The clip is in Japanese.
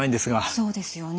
そうですよね。